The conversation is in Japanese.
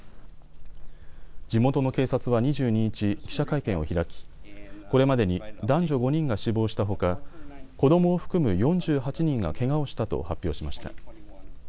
地元の警察は２２日、記者会見を開きこれまでに男女５人が死亡したほか子どもを含む４８人がけがをしたと発表しました。